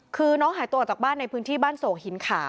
คือน้องหายตัวออกจากบ้านในพื้นที่บ้านโศกหินขาว